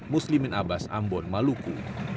muslimin abbas ambon maluku